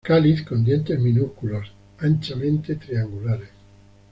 Cáliz con dientes minúsculos, anchamente triangulares.